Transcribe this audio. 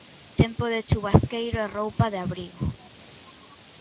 Tempo de chuvasqueiro e roupa de abrigo.